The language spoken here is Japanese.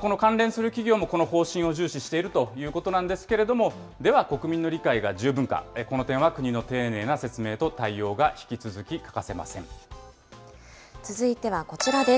この関連する企業もこの方針を重視しているということなんですけれども、では国民の理解が十分か、この点は国の丁寧な説明と対応が続いてはこちらです。